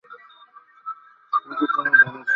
কিন্তু সে কি ধনি ছিল?